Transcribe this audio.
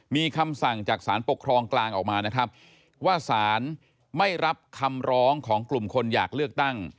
มีคำสั่งจากสารปกครองกลางออกมานะครับว่าสารไม่รับคำร้องของกลุ่มคนอยากเลือกตั้ง